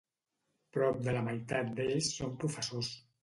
Prop de la meitat d"ells són professors.